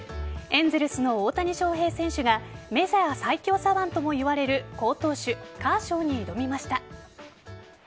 エンゼルスの大谷翔平選手がメジャー最強左腕ともいわれる好投手・カーショーに挑みました。